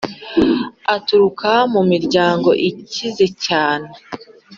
aturuka mu miryango ikize cyane